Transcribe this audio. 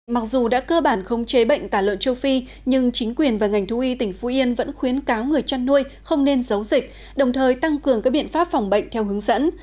mặc dù đã cơ bản khống chế bệnh tả lợn châu phi nhưng chính quyền và ngành thú y tỉnh phú yên vẫn khuyến cáo người chăn nuôi không nên giấu dịch đồng thời tăng cường các biện pháp phòng bệnh theo hướng dẫn